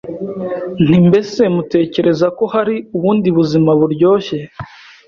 nti mbese mutekereza ko hari ubundi buzima buryoshye